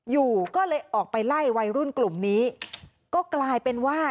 อยู่ก็เลยออกไปไล่วัยรุ่นกลุ่มนี้ก็กลายเป็นว่า